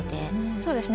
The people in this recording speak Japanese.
そうですね